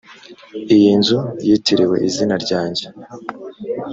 iyi nzu yitiriwe izina ryanjye